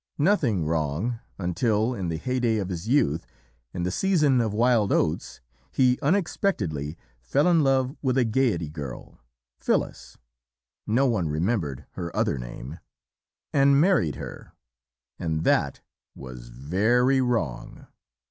Nothing wrong until, in the heyday of his youth, in the season of wild oats, he unexpectedly fell in love with a Gaiety girl Phyllis (no one remembered her other name) and married her and THAT was very wrong.